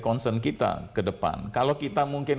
concern kita ke depan kalau kita mungkin